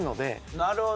なるほど。